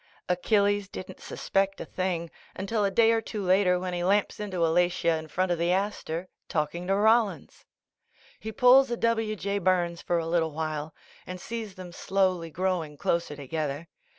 Achilles didn't suspect a thing, until a day or two later, when he lamps into Alatia in front of the Astor, talking to Rollins. He pulls a W. J. Burns for a little while and sees them slowly growing closer to gether.